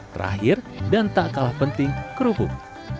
terakhir dan tak kalah penting kerupuk